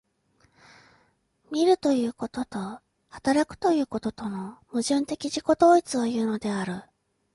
見るということと働くということとの矛盾的自己同一をいうのである。